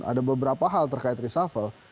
ada beberapa hal terkait reshuffle